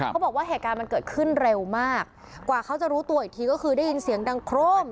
เขาบอกว่าเหตุการณ์มันเกิดขึ้นเร็วมากกว่าเขาจะรู้ตัวอีกทีก็คือได้ยินเสียงดังโครม